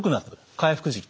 回復時期。